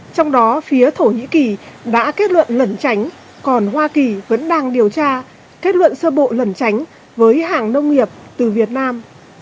trong đó phía thổ nhĩ kỳ đã kết luận lẩn tránh còn hoa kỳ vẫn đang điều tra kết luận sơ bộ lẩn tránh với hàng nông nghiệp từ việt nam